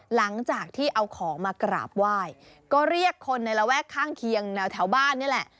หลังจากที่เอาของมากราบไหว้ก็เรียกคนในระแวกข้างเคียงแถวบ้านนี่แหละ